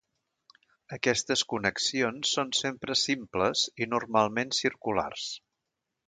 Aquestes connexions són sempre simples i normalment circulars.